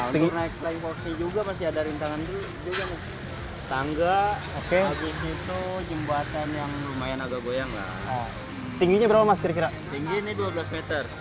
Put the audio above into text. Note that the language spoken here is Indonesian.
tingginya berapa mas kira kira tingginya dua belas m